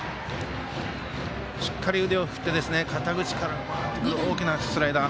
しっかり腕を振って肩口からの曲がってくる大きなスライダー。